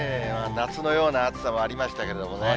夏のような暑さもありましたけれどもね。